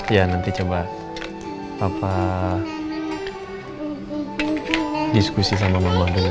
ya nanti coba papa diskusi sama mama dulu ya